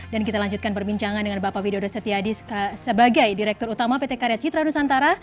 dan kita lanjutkan perbincangan dengan bapak widodo setiadi sebagai direktur utama pt karya citra nusantara